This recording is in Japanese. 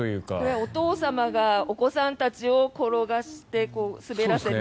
お父様がお子さんたちを転がして滑らせて。